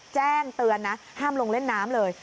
แจ้งเตือนนะห้ามลงเล่นน้ำเลย